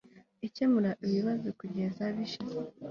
ikemura ibibazo kugeza bishize